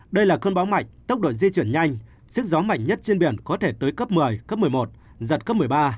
đây là cơn bão mạnh tốc độ di chuyển nhanh sức gió mạnh nhất trên biển có thể tới cấp một mươi cấp một mươi một giật cấp một mươi ba